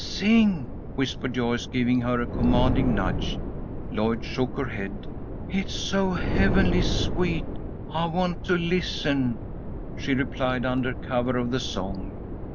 "Sing," whispered Joyce, giving her a commanding nudge. Lloyd shook her head. "It's so heavenly sweet I want to listen," she replied, under cover of the song.